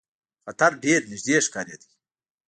خطر ډېر نیژدې ښکارېدی.